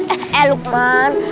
eh eh lukman